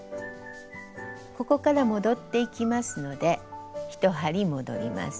ここから戻っていきますので１針戻ります。